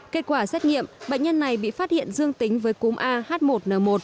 kết quả xét nghiệm bệnh nhân này bị phát hiện dương tính với cúm ah một n một